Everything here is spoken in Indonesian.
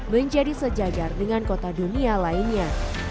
menjadi sejajar dengan kota dunia lainnya